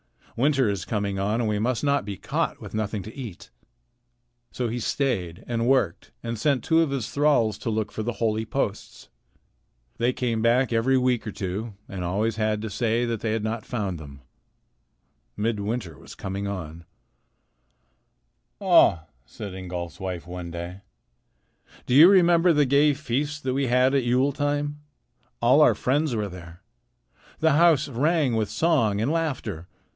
"Winter is coming on, and we must not be caught with nothing to eat." So he stayed and worked and sent two of his thralls to look for the holy posts. They came back every week or two and always had to say that they had not found them. Midwinter was coming on. [Illustration: "Then he saw that Leif's ship was being driven afar off"] "Ah!" said Ingolf's wife one day, "do you remember the gay feast that we had at Yule time? All our friends were there. The house rang with song and laughter.